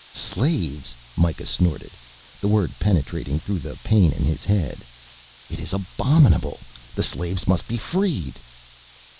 "Slaves!" Mikah snorted, the word penetrating through the pain in his head. "It is abominable. The slaves must be freed."